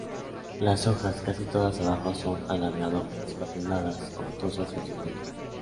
Las hojas, casi todas abajo, son alargado-espatuladas, obtusas en su punta.